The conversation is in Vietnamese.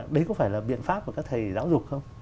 đấy có phải là biện pháp của các thầy giáo dục không